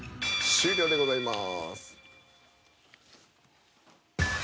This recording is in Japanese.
終了でございます。